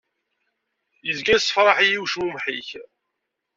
Izga yessefreḥ-iyi ucmumeḥ-ik.